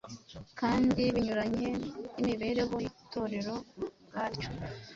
kandi binyuranye n’imibereho y’Itorero ubwaryo.